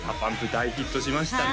大ヒットしましたね